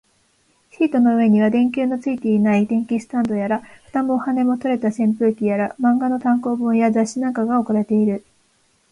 シートの上には、電球のついていない電気スタンドやら、蓋も羽も取れた扇風機やら、漫画の単行本や雑誌なんかが置かれている